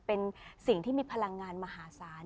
เป็นสิ่งที่มีพลังงานมหาศาล